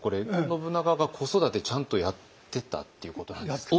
信長が子育てちゃんとやってたっていうことなんですか？